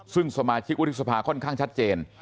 ซึ่งสมาชิกวุฒิสภาค่อนข้างชัดเจน